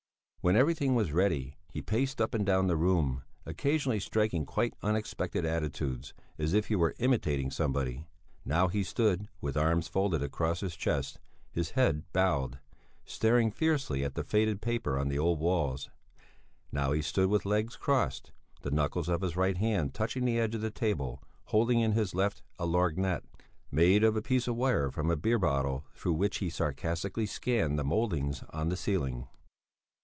When everything was ready, he paced up and down the room, occasionally striking quite unexpected attitudes, as if he were imitating somebody. Now he stood with arms folded across his chest, his head bowed, staring fiercely at the faded paper on the old walls; now he stood with legs crossed, the knuckles of his right hand touching the edge of the table holding in his left a lorgnette, made of a piece of wire from a beer bottle through which he sarcastically scanned the mouldings on the ceiling.